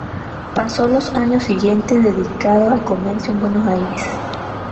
Pasó los años siguientes dedicado al comercio en Buenos Aires.